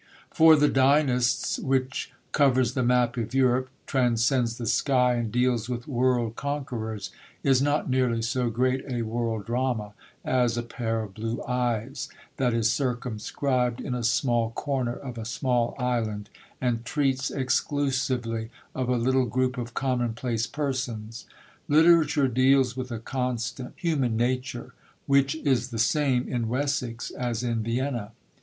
For The Dynasts, which covers the map of Europe, transcends the sky, and deals with world conquerors, is not nearly so great a world drama as A Pair of Blue Eyes, that is circumscribed in a small corner of a small island, and treats exclusively of a little group of commonplace persons. Literature deals with a constant human nature, which is the same in Wessex as in Vienna.